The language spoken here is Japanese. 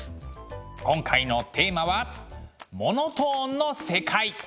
今回のテーマは「モノトーンの世界」。